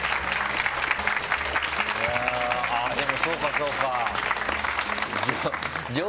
あぁでもそうかそうか。